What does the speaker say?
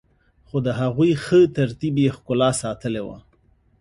خو د هغوی ښه ترتیب يې ښکلا ساتلي وه.